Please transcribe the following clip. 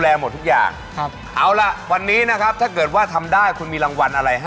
ถ้าดูทุกวันนี้ควายละอะไรเนี่ย